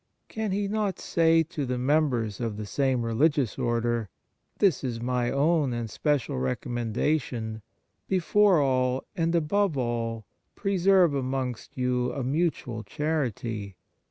can He not say to the members of the same religious Order :" This is My own and special recommendation: Before all and above all preserve amongst you a mutual charity.